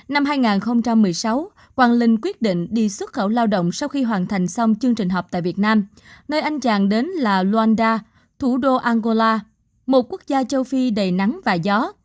năm hai nghìn một mươi sáu quang linh quyết định đi xuất khẩu lao động sau khi hoàn thành xong chương trình học tại việt nam nơi anh chàng đến là loanda thủ đô angola một quốc gia châu phi đầy nắng và gió